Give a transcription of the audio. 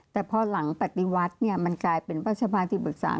แต่พอหลังปฏิวัติมันกลายเป็นว่าสภาที่ปรึกษา